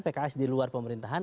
pks di luar pemerintahan